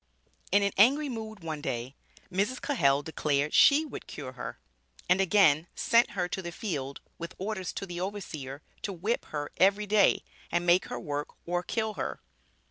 In an angry mood one day, Mrs. Cahell declared she would cure her; and again sent her to the field, "with orders to the overseer, to whip her every day, and make her work or kill her."